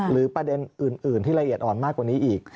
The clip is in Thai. ประเด็นอื่นที่ละเอียดอ่อนมากกว่านี้อีก